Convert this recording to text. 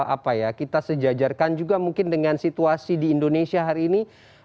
apa ya kita sejajarkan juga mungkin dengan situasi di indonesia hari ini